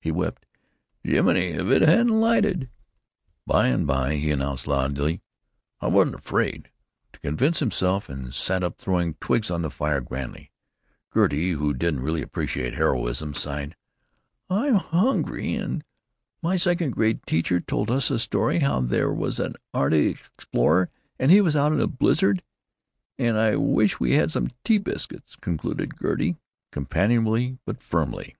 He wept, "Jiminy, if it hadn't lighted!..." By and by he announced, loudly, "I wasn't afraid," to convince himself, and sat up, throwing twigs on the fire grandly. Gertie, who didn't really appreciate heroism, sighed, "I'm hungry and——" "My second grade teacher told us a story how they was a' arctic explorer and he was out in a blizzard——" "——and I wish we had some tea biscuits," concluded Gertie, companionably but firmly.